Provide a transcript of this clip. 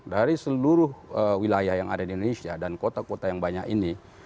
dari seluruh wilayah yang ada di indonesia dan kota kota yang banyak ini